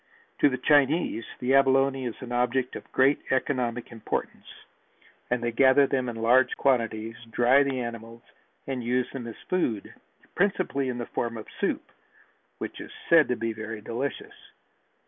To the Chinese the abalone is an object of great economic importance and they gather them in large quantities, dry the animals and use them as food, principally in the form of soup, which is said to be very delicious.